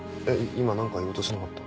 今何か言おうとしてなかった？